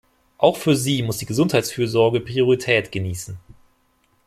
Auch für sie muss die Gesundheitsfürsorge Priorität genießen.